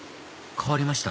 終わりました？